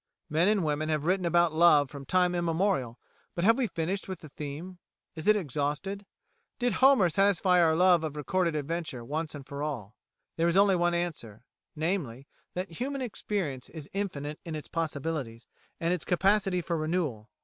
Men and women have written about love from time immemorial, but have we finished with the theme? Is it exhausted? Did Homer satisfy our love of recorded adventure once and for all? There is only one answer namely, that human experience is infinite in its possibilities and its capacity for renewal.